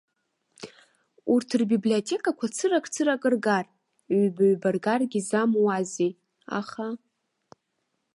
Урҭ рбиблиотекақәа цырак-цырак ргар, ҩба-ҩба ргаргьы замуазеи, аха.